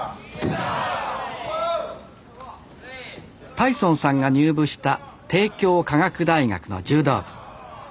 太尊さんが入部した帝京科学大学の柔道部。